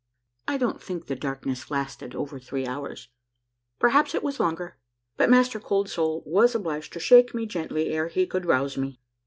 I don't think the darkness lasted over three hours, perhaps it was longer ; but Master Cold Soul was obliged to shake me gently ere he could rouse me.